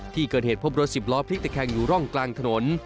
ที่เกิดเหตุพบรถสิบล้อพลิกตะแคงอยู่ร่องกลางถนน